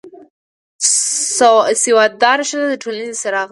سواد داره ښځه د ټولنې څراغ ده